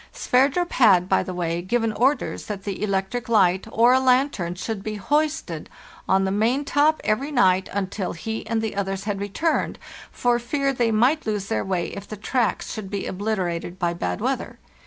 Sver drup had, by the way, given orders that the electric light or a lantern should be hoisted on the maintop every night until he and the others had returned, for fear they might lose their way if the tracks should be obliterated by bad weather.